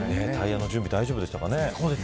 タイヤの準備大丈夫でしたかね。